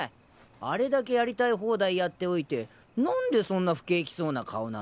あれだけやりたい放題やっておいて何でそんな不景気そうな顔なんですか？